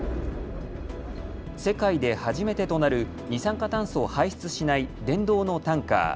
世界で初めてとなる二酸化炭素を排出しない電動のタンカー。